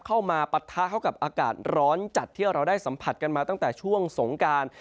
ปะทะเข้ากับอากาศร้อนจัดที่เราได้สัมผัสกันมาตั้งแต่ช่วงสงการ